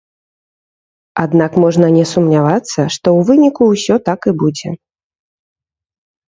Аднак можна не сумнявацца, што ў выніку ўсё так і будзе.